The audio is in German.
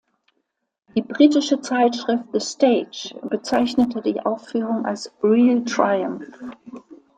Die britische Zeitschrift "The Stage" bezeichnete die Aufführung als „real triumph“.